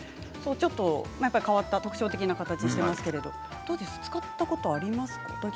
何か変わった特徴的な形をしていますけれどもどうですか使ったことありますか。